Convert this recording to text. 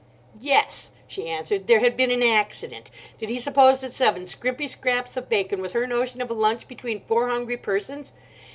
Yes, she answered, there had been an accident. Did he suppose that seven scrimpy scraps of bacon was her notion of a lunch between four hungry persons?